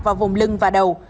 vào vùng lưng và đầu